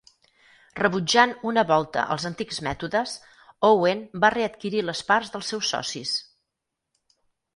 Rebutjant una volta als antics mètodes, Owen va readquirir les parts dels seus socis.